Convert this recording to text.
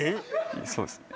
そうですね